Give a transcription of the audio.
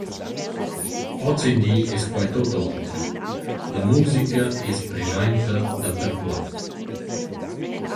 Hozindi es quai tuot oter, la musica es preschainta dapertuot.